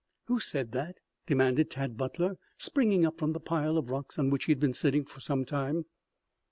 "Who said that?" demanded Tad Butler springing up from the pile of rocks on which he had been sitting for some time.